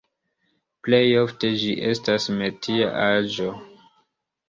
Plej ofte ĝi estas metia aĵo.